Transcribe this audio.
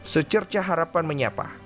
secerca harapan menyapa